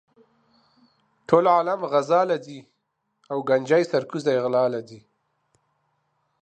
ټول عالم غزا لہ ځی او ګنجي سر کوزے غلا لہ ځی